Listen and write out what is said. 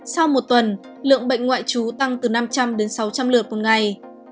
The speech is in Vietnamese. sau một tuần lượng bệnh ngoại trú tăng từ năm trăm linh đến sáu trăm linh lượt một ngày